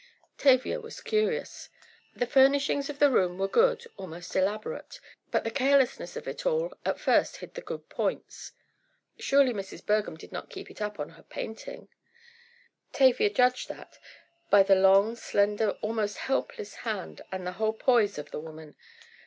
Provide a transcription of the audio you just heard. Tavia was curious. The furnishings of the room were good, almost elaborate, but the carelessness of it all at first hid the good points. Surely Mrs. Bergham did not keep it up on her painting. Tavia judged that, by the long, slender, almost helpless hand and the whole poise of the woman.